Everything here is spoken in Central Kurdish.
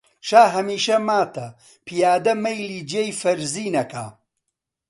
شا هەمیشە ماتە، پیادە مەیلی جێی فەرزین ئەکا